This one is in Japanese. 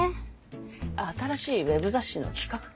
新しいウェブ雑誌の企画か。